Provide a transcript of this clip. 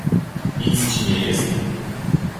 "nic ci nie jest?"